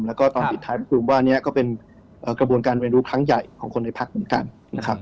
แล้วก็ตอนปิดท้ายคือผมว่านี้ก็เป็นกระบวนการเรียนรู้ครั้งใหญ่ของคนในพักเหมือนกันนะครับ